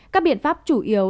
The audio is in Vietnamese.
các biện pháp chủ yếu